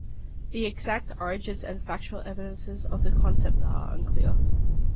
The exact origins and factual evidences of the concept are unclear.